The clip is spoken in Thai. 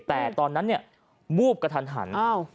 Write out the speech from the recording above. แต่ตอนนั้นเนี่ยวูบกระทันหัน